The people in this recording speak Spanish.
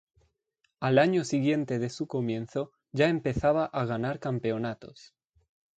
Al año siguiente de su comienzo, ya empezaba a ganar campeonatos.